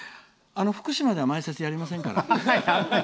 福島では前説はやりませんから。